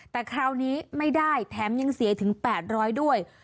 แต่คราวนี้ไม่ได้แถมยังเสียถึง๘๐๐ด้วย